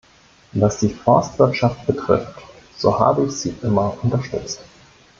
Was die Forstwirtschaft betrifft, so habe ich sie immer unterstützt.